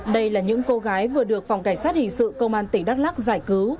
đây là những cô gái vừa được phòng cảnh sát hình sự công an tỉnh đắk lắc giải cứu